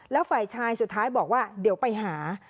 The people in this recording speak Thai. แล้วฝ่ายชายสุดท้ายบอกว่าเดี๋ยวไปหา